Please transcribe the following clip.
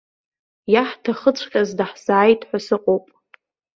Иаҳҭахыҵәҟьаз даҳзааит ҳәа сыҟоуп.